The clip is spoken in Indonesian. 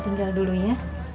ibu tinggal dulu ya